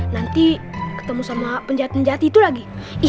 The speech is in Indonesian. nanti ketemu sama penjahat penjahat itu lagi